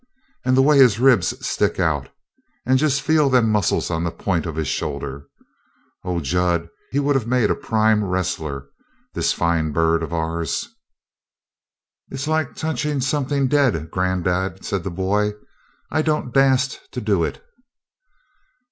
And the way his ribs sticks out and just feel them muscles on the point of his shoulder Oh, Jud, he would of made a prime wrestler, this fine bird of ours!" "It's like touchin' somethin' dead, granddad," said the boy. "I don't dast to do it!"